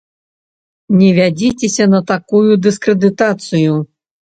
Не вядзіцеся на такую дыскрэдытацыю.